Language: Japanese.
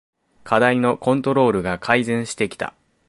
課題のコントロールが改善してきた